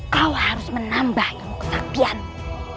kau harus menambah kemukasakianmu